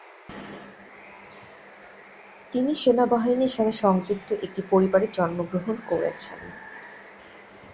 তিনি সেনাবাহিনীর সাথে সংযুক্ত একটি পরিবারে জন্মগ্রহণ করেছেন।